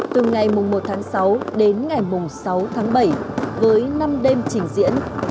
từ ngày mùng một tháng sáu đến ngày mùng sáu tháng bảy với năm đêm trình diễn